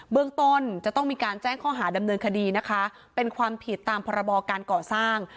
เบื้องต้นจะต้องมีการแจ้งข้อหาดำเนินคดีนะคะเป็นความผิดตามพรบการก่อสร้าง